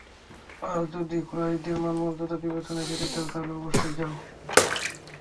আর যদি কুরাইশদের মান-মর্যাদা বিবেচনায় যেতে চাও তাহলে অবশ্যই যাও।